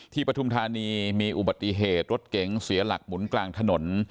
ปฐุมธานีมีอุบัติเหตุรถเก๋งเสียหลักหมุนกลางถนน